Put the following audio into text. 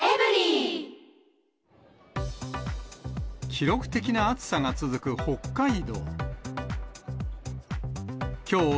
記録的な暑さが続く北海道。